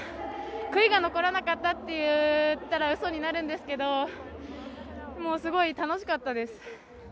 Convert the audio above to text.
悔いが残らなかったって言ったら、ウソになるんですけど、もうすごい楽しかったです。